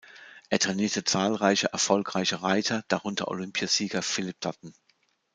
Er trainierte zahlreiche erfolgreiche Reiter, darunter Olympiasieger Phillip Dutton.